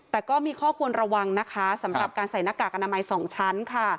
แต่ก็มีข้อควรระวังนะคะสำหรับการใส่หน้ากากอนามัย๒ชั้นค่ะ